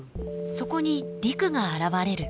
そこに陸が現れる。